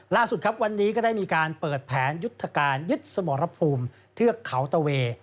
ล่าสุดครับวันนี้ก็ได้มีการเปิดแผนยุทธการยึดสมรภูมิเทือกเขาตะเวย์